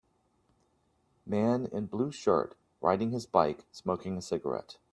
Man in blue shirt riding his bike, smoking a cigarette.